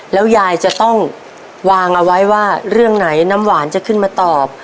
แล้วยายจะต้องวางเอาไว้ว่าเรื่องไหนน้ำหวานจะขึ้นมาตอบ